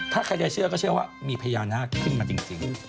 ถ้าใครจะเชื่อก็เชื่อว่ามีพญานาคขึ้นมาจริง